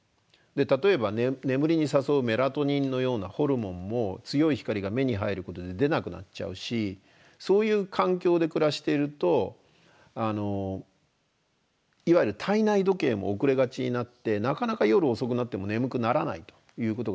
例えば眠りに誘うメラトニンのようなホルモンも強い光が目に入ることで出なくなっちゃうしそういう環境で暮らしているといわゆる体内時計も遅れがちになってなかなか夜遅くなっても眠くならないということが続きます。